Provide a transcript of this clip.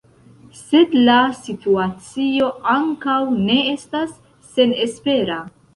Sed la situacio ankaŭ ne estas senespera.